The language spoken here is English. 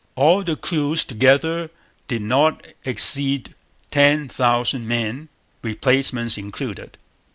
All the crews together did not exceed ten thousand men, replacements included.